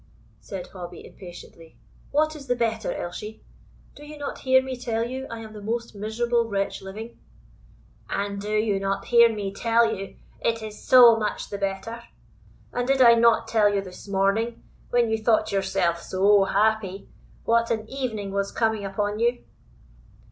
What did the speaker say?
said Hobbie impatiently; "what is the better, Elshie? Do you not hear me tell you I am the most miserable wretch living?" "And do you not hear me tell you it is so much the better! and did I not tell you this morning, when you thought yourself so happy, what an evening was coming upon you?"